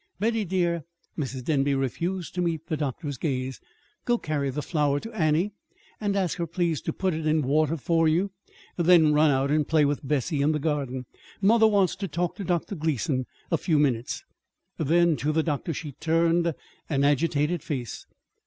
"Betty, dear," Mrs. Denby refused to meet the doctor's gaze, "go carry the flower to Annie and ask her please to put it in water for you; then run out and play with Bessie in the garden. Mother wants to talk to Dr. Gleason a few minutes." Then, to the doctor, she turned an agitated face.